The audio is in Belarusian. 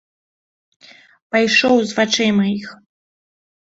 Пайшоў з вачэй маіх.